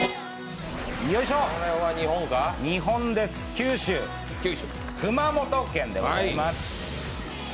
日本です、九州・熊本県でございます。